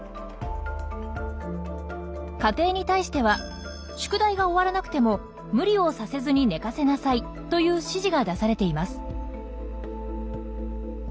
家庭に対しては「宿題が終わらなくても無理をさせずに寝かせなさい」という指示が出されています。